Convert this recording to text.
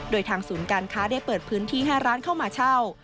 โดยทางศูนย์การค้าได้เปิดพื้นที่ให้ร้านเข้ามาเช่า